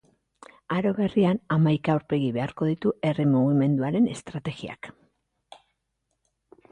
Aro berrian, hamaika aurpegi beharko ditu herri mugimenduaren estrategiak.